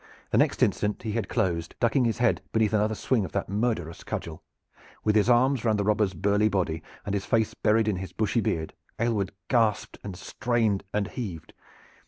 The next instant he had closed, ducking his head beneath another swing of that murderous cudgel. With his arms round the robber's burly body and his face buried in his bushy beard, Aylward gasped and strained and heaved.